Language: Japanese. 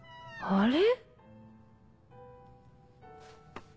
あれ？